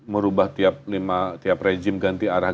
merubah tiap lima tiap rejim ganti arah